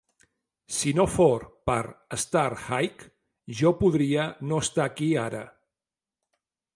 Si no for per Starhyke, jo podria no estar aquí ara.